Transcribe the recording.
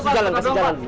tolong kasih jalan